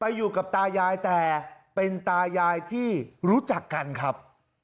อยู่กับตายายแต่เป็นตายายที่รู้จักกันครับ